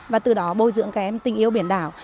và từ đó bồi dưỡng các em tình yêu biển đảo